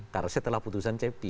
karena setelah putusan cp